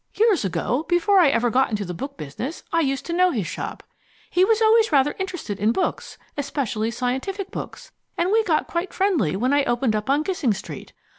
Years ago, before I ever got into the book business, I used to know his shop. He was always rather interested in books, especially scientific books, and we got quite friendly when I opened up on Gissing Street.